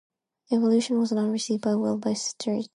"Evolution" was not received well by critics.